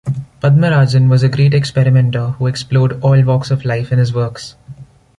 Padmarajan was a great experimenter who explored all walks of life in his works.